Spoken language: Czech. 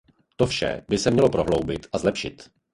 To vše by se mělo prohloubit a zlepšit.